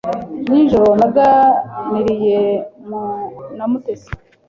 Nijoro naganiriye na Mutesi .